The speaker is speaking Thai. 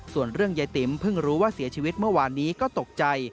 ส่วนเรื่องยายติ๋มเพิ่งรู้ว่าเสียชีวิตเมื่อวานนี้ก็ตกใจ